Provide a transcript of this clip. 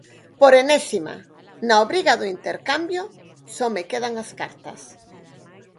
Por enésima, na obriga do intercambio, só me quedan as cartas.